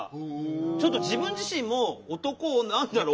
ちょっと自分自身も「男何だろう」